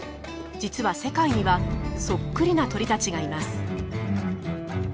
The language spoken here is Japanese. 実は世界にはそっくりな鳥たちがいます。